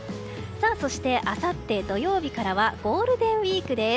そして、あさって土曜日からはゴールデンウィークです。